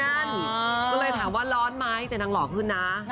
ก็เลยถามว่าร้อนไหมแต่นางหล่อขึ้นนะ